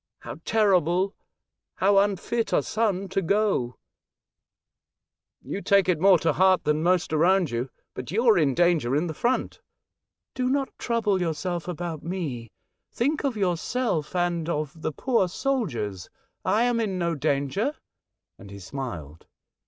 How terrible ! How unfit are some to go !"" You take it more to heart than most Besieged in Paris, 13 around you. But you are in danger in the front." " Do not trouble yourself about me ; think of yourself and of the poor soldiers ; I am in no danger," and he smiled.